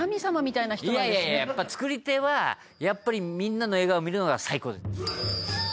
いやいややっぱ作り手はやっぱりみんなの笑顔を見るのが最高。